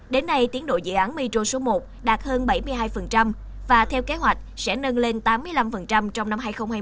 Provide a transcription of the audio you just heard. đến nay tiến độ dự án mitro số một đạt hơn bảy mươi hai và theo kế hoạch sẽ nâng lên tám mươi năm trong năm hai nghìn hai mươi